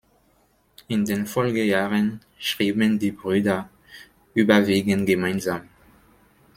In den Folgejahren schrieben die Brüder überwiegend gemeinsam.